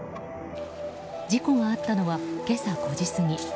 事故があったのは今朝５時過ぎ。